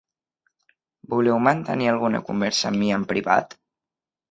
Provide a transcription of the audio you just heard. Voleu mantenir alguna conversa amb mi en privat?